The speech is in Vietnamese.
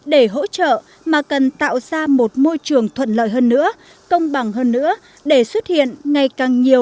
để hỗ trợ các doanh nghiệp tăng trưởng nhanh